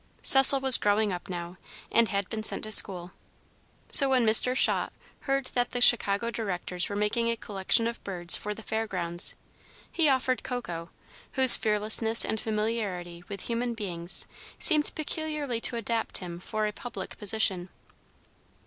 Cecil was growing up now, and had been sent to school; so when Mr. Schott heard that the Chicago directors were making a collection of birds for the Fair Grounds, he offered Coco, whose fearlessness and familiarity with human beings seemed peculiarly to adapt him for a public position.